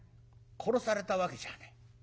殺されたわけじゃねえ。